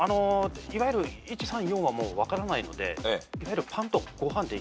いわゆる１３４はもう分からないのでパンとご飯で。